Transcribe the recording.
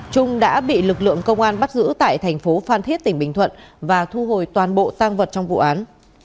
trung đã bị lực lượng công an bắt giữ tại thành phố phan thiết tỉnh bình thuận và thu hồi toàn bộ tang vật trong vụ án